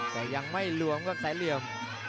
แต่ยังไม่รวมครับแสนเหลี่ยม